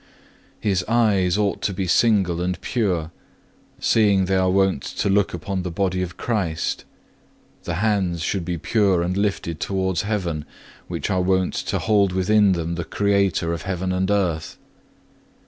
7. His eyes ought to be single and pure, seeing they are wont to look upon the Body of Christ; the hands should be pure and lifted towards heaven, which are wont to hold within them the Creator of heaven and earth.